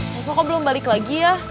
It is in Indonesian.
maaf kok belum balik lagi ya